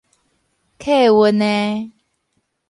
客運的